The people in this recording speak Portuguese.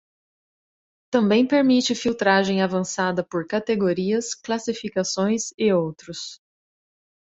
Também permite filtragem avançada por categorias, classificações e outros.